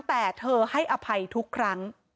แต่เธอให้อภัยทุกครั้ง